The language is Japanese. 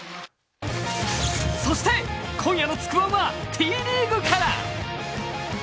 そして、今夜の「つくワン」はＴリーグから。